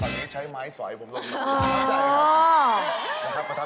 ตอนนี้ใช้ไม้สอยผมลองโลท